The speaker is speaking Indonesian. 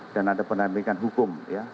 dan ada penampilkan hukum ya